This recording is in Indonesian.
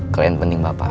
klien penting bapak